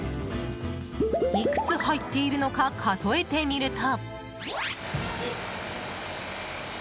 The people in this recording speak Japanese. いくつ入っているのか数えてみると。